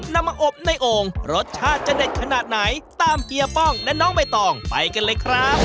นำมาอบในโอ่งรสชาติจะเด็ดขนาดไหนตามเฮียป้องและน้องใบตองไปกันเลยครับ